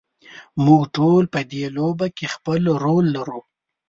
موږ ټول په دې لوبه کې خپل رول لرو.